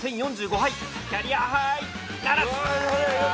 キャリアハーイならず！